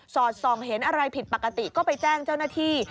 อดส่องเห็นอะไรผิดปกติก็ไปแจ้งเจ้าหน้าที่